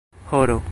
horo